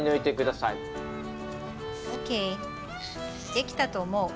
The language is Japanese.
できたと思う。